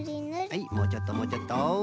はいもうちょっともうちょっと。